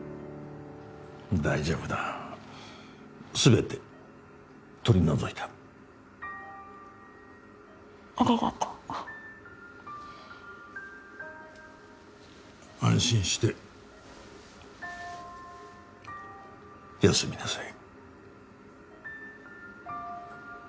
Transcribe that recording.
大丈夫だすべて取り除いたありがとう安心して休みなさい